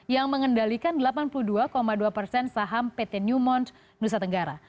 yang mengendalikan delapan puluh dua dua persen saham pt newmont nusa tenggara